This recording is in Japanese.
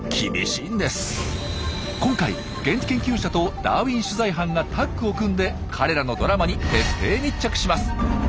今回現地研究者とダーウィン取材班がタッグを組んで彼らのドラマに徹底密着します。